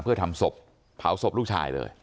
เพื่อทำศพเผาศพลูกชายเลย